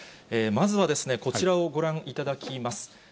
まずはですね、こちらをご覧いただきます。